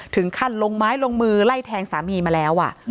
ถึงขั้นลงไม้ลงมือไล่แทงสามีมาแล้ว